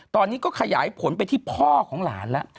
ตอนนี้ก็ขยายผลไปที่พ่อของหลานแล้ว